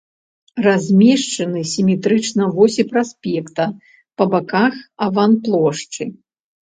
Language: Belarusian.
Размешчаны сіметрычна восі праспекта па баках аванплошчы.